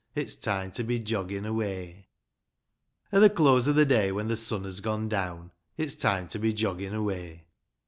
It's time to be joggin' away. li. At the close of the day, when the sun has gone down, It's time to be joggin' away.